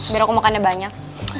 biar aku makannya banyak